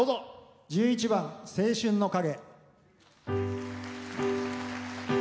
１１番「青春の影」。